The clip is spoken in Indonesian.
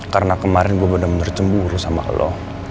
karena kemarin gue bener bener cemburu sama lo